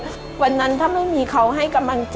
การที่บูชาเทพสามองค์มันทำให้ร้านประสบความสำเร็จ